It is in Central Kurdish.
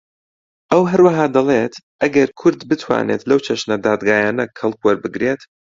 ئەو هەروەها دەڵێت ئەگەر کورد بتوانێت لەو چەشنە دادگایانە کەڵک وەربگرێت